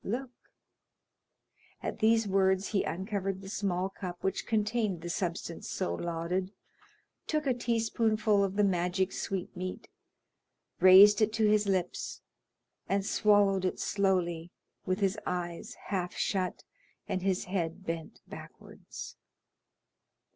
look!" At these words he uncovered the small cup which contained the substance so lauded, took a teaspoonful of the magic sweetmeat, raised it to his lips, and swallowed it slowly with his eyes half shut and his head bent backwards.